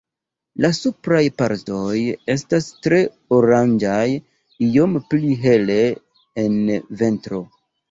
La supraj partoj estas tre oranĝaj, iom pli hele en ventro.